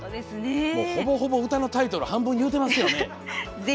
ほぼほぼ歌のタイトル、半分言うてますけどね。